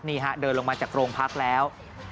นี่ฮะเดินลงมาจากโรงพักแล้ว